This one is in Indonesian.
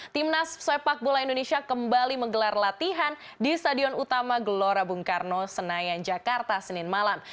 timnas sepak bola indonesia kembali menggelar latihan di stadion utama gelora bung karno senayan jakarta senin malam